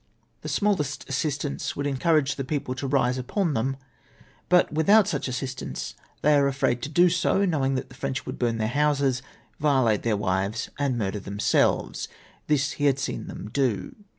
The smallest assistance would encourage the people to rise upon them ; but without such assistance they are afraid to do so, knoA\dng that the French would burn their houses, vio late their wives, and murder themselves. This he had seen them do.